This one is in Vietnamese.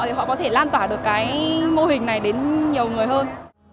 thì họ có thể lan tỏa được cái mô hình này đến nhiều người hơn